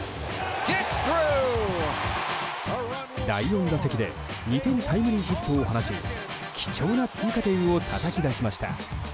第４打席で２点タイムリーヒットを放ち貴重な追加点をたたき出しました。